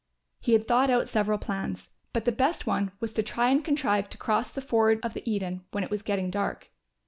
He had thought out several plans; but the best one was to try and contrive to cross the ford of the Eden when it was getting dark.